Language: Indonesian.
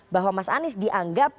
bahwa mas anies dianggap